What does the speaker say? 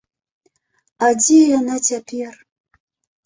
А дзе яна цяпер?